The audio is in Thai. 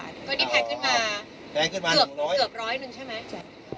ตอนนี้แพงขึ้นมาแพงขึ้นมาเกือบร้อยหนึ่งใช่ไหม